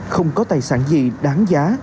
không có tài sản gì đáng giá